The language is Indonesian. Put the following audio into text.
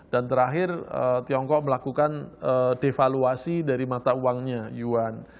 dan terakhir tiongkok melakukan devaluasi dari mata uangnya yuan